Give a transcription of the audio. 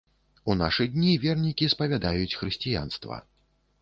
У нашы дні вернікі спавядаюць хрысціянства.